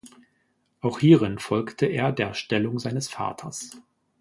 Auch hierin folgte er der Stellung seines Vaters.